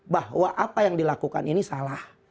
bahwa apa yang dilakukan ini salah